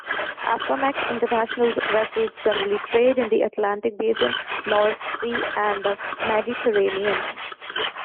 Aframax International's vessels generally trade in the Atlantic Basin, North Sea and the Mediterranean.